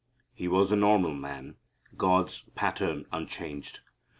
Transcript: He was a normal man, God's pattern unchanged.